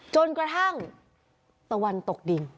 จนกระทั่งตะวันตกดิน